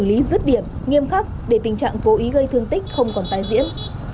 và sẽ làm mạnh xử lý rứt điểm nghiêm khắc để tình trạng cố ý gây thương tích không còn tái diễn